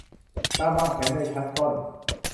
การวางแผนในชั้นต้น